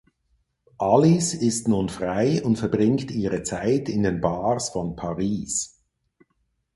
Alice ist nun frei und verbringt ihre Zeit in den Bars von Paris.